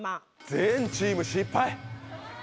全チーム失敗。